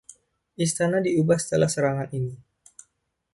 Istana diubah setelah serangan ini.